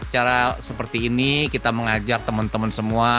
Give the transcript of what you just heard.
cara seperti ini kita mengajak teman teman semua